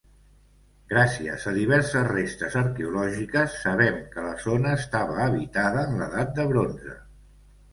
Gràcies a diverses restes arqueològiques sabem que la zona estava habitada en l'edat de Bronze.